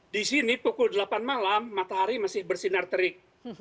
di sini pukul delapan malam matahari masih bersinar terik